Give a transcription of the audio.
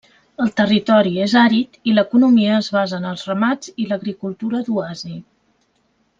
El territori és àrid i l'economia es basa en els ramats i l'agricultura d'oasi.